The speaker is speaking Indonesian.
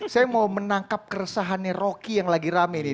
saya mau menangkap keresahannya rocky yang lagi rame nih